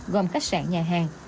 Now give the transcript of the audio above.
gồm khách sạn nhà hàng